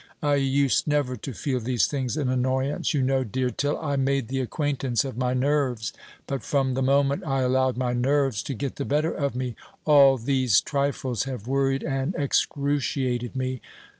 I used never to feel these things an annoyance, you know, dear, till I made the acquaintance of my nerves; but from the moment I allowed my nerves to get the better of me, all these trifles have worried and excruciated me.